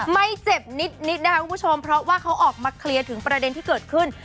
ไม่เจ็บนิดนะคะคุณผู้ชมเพราะว่าเขาออกมาเคลียร์ถึงประเด็นที่เกิดขึ้น